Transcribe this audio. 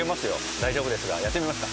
大丈夫ですが、やってみますか？